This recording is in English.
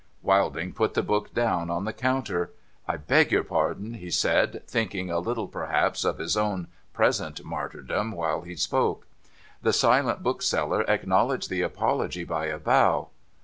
Wilding put the book down on the counter. ' I beg your pardon,' he said, thinking a little, perhaps, of his own present martyrdom while he spoke. The silent bookseller acknowledged the apology by a bow.